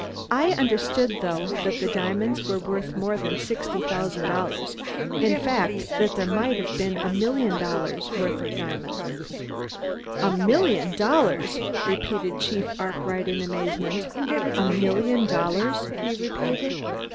I understood, though, that the diamonds were worth more than sixty thousand dollars; in fact, that there might have been a million dollars' worth of them." "A million dollars!" repeated Chief Arkwright in amazement. "A million dollars!" he repeated.